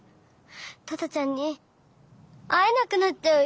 トトちゃんに会えなくなっちゃうよ！